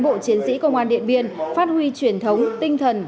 đã kêu gọi toàn thể cán bộ chiến sĩ công an điện biên phát huy truyền thống tinh thần